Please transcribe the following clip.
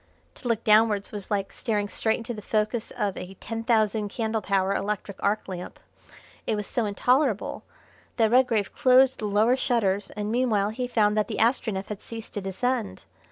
To look downwards was like staring straight into the focus of a ten thousand candle power electric arc lamp. It was so intolerable that Redgrave closed the lower shutters, and meanwhile he found that the Astronef had ceased to descend.